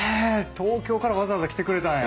東京からわざわざ来てくれたんや。